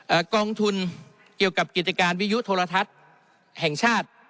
กองทุนเกี่ยวกับกิจการวิยุโทรทัศน์แห่งชาติ